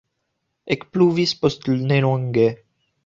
Ekpluvis post nelonge.